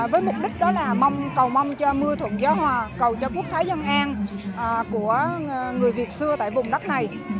với mục đích đó là mong cầu mong cho mưa thuận gió hòa cầu cho quốc thái dân an của người việt xưa tại vùng đất này